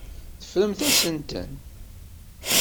Teffremt-asent-ten.